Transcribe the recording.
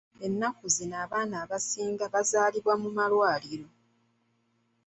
Ennaku zino abaana abasinga bazaalibwa mu malwariro.